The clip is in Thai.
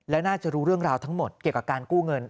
และน่าจะรู้เรื่องราวทั้งหมดเกี่ยวกับการกู้เงิน